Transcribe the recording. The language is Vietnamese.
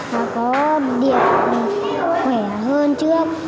và có điện khỏe hơn trước